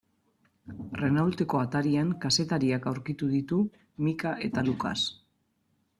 Renaulteko atarian kazetariak aurkitu ditu Micka eta Lucas.